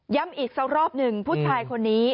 ย้ำอีกซะรอบหนึ่งผู้ชายคนนี้